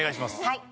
はい。